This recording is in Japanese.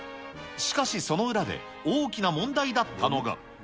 しかしその裏で、大きな問題だったのが。